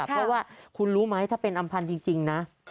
เพราะว่าคุณรู้ไหมถ้าเป็นอำพันธ์จริงนะ